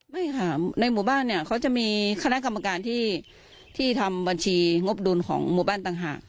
ไม่ค่ะในหมู่บ้านเนี่ยเขาจะมีคณะกรรมการที่ทำบัญชีงบดุลของหมู่บ้านต่างหาก